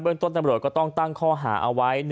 เบื้องต้นนำรถก็ต้องตั้งข้อหาเอาไว้